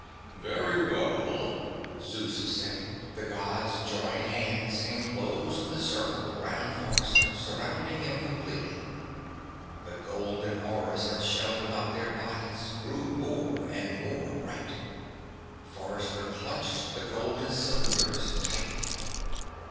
"Very well," Zeus said. The Gods joined hands and closed the circle around Forrester, surrounding him completely. The golden auras that shone about their bodies grew more and more bright. Forrester clutched the golden cylinders tightly.